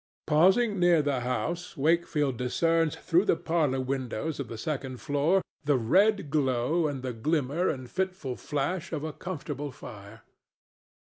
Pausing near the house, Wakefield discerns through the parlor windows of the second floor the red glow and the glimmer and fitful flash of a comfortable fire.